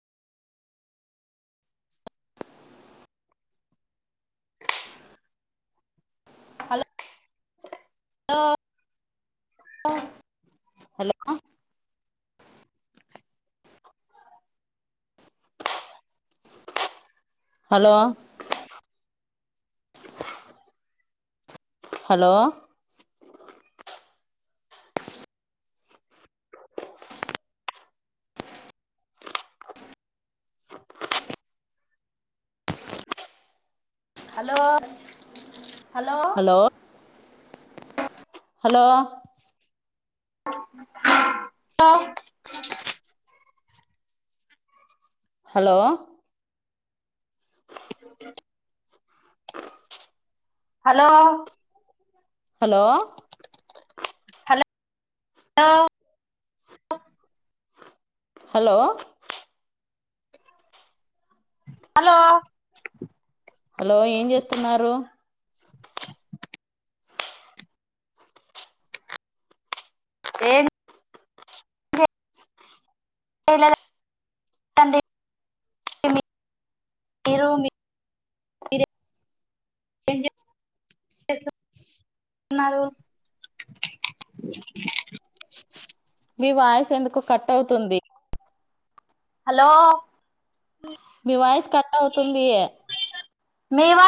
hello లో లో hello hello hello hello hello hello hello hello hello hello లో hello hello hello ఏం జేస్తున్నారు ఎంద్ [unintelligible] మీరు [unintelligible] మీ [unintelligible] రేం [unintelligible] జే [unintelligible] న్నారు మీ వాయిస్ ఎందుకో కట్ అవుతుంది హలో మీ వాయిస్ కట్ అవుతుంది మీ వా